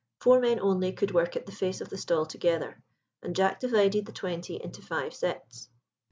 Four men only could work at the face of the stall together, and Jack divided the twenty into five sets.